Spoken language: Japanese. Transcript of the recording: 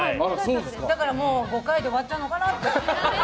だからもう、５回で終わっちゃうのかなって。